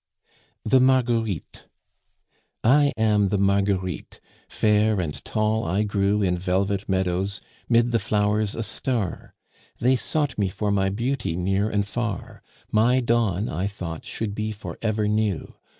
THE MARGUERITE. I am the Marguerite, fair and tall I grew In velvet meadows, 'mid the flowers a star. They sought me for my beauty near and far; My dawn, I thought, should be for ever new.